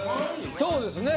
そうですね。